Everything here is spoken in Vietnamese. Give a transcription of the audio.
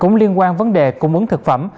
cũng liên quan vấn đề cung ứng thực phẩm